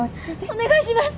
お願いします！